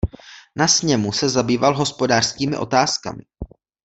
Na sněmu se zabýval hospodářskými otázkami.